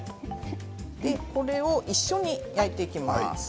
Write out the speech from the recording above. これを一緒に焼いていきます。